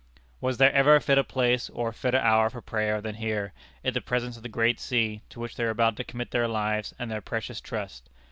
Was there ever a fitter place or a fitter hour for prayer than here, in the presence of the great sea to which they were about to commit their lives and their precious trust?